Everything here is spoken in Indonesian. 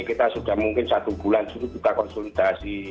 kita sudah mungkin satu bulan sudah konsolidasi